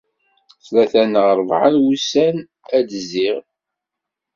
Tlata neɣ rebεa n wussan ad d-zziɣ.